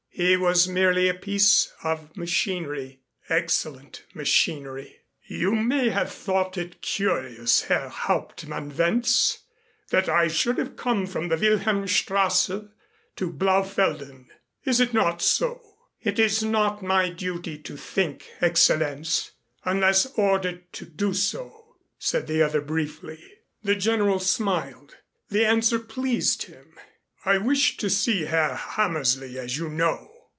He was merely a piece of machinery excellent machinery. "You may have thought it curious, Herr Hauptmann Wentz, that I should have come from the Wilhelmstrasse to Blaufelden. Is it not so?" "It is not my duty to think, Excellenz, unless ordered to do so," said the other briefly. The General smiled. The answer pleased him. "I wished to see Herr Hammersley, as you know.